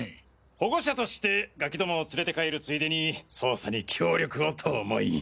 保護者としてガキ共を連れて帰るついでに捜査に協力をと思い。